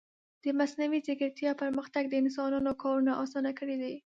د مصنوعي ځیرکتیا پرمختګ د انسانانو کارونه آسانه کړي دي.